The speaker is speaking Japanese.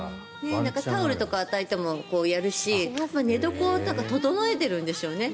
タオルとか与えてもやるし寝床を整えているんでしょうね